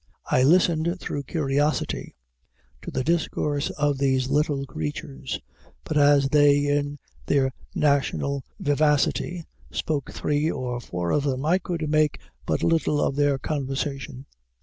I listened through curiosity to the discourse of these little creatures; but as they, in their national vivacity, spoke three or four together, I could make but little of their conversation.